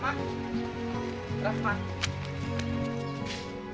maafkan anak anak ya